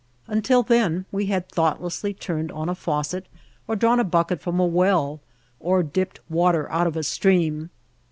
Until then we had thoughtlessly turned on a faucet, or drawn a bucket from a well, or dipped water out of a stream.